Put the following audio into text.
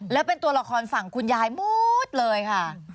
แล้วเป็นตัวละครฝั่งคุณยายหมดเลยค่ะ